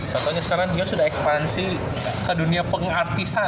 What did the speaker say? contohnya sekarang dia sudah ekspansi ke dunia pengartisan